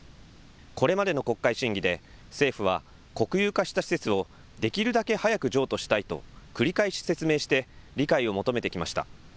これまでの国会審議で政府は国有化した施設をできるだけ早く譲渡したいと繰り返し説明して理解を求めてきました。